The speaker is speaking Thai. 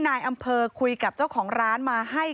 นายอำเภอคุยกับเจ้าของร้านมาให้